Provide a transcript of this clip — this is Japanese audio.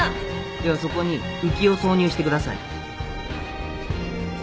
ではそこに浮きを挿入してください。